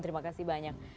terima kasih banyak